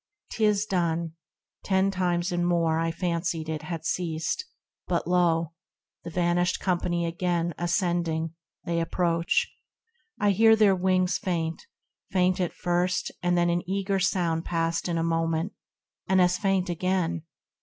'Tis done, Ten times and more I fancied it had ceased, But lo ! the vanished company again Ascending, they approach. I hear their wings Faint, faint at first ; and then an eager sound Passed in a moment — and as faint again